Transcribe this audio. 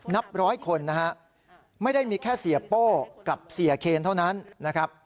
นับร้อยคนนะฮะไม่ได้มีแค่เสียโป้กับเสียเคนเท่านั้นนะครับ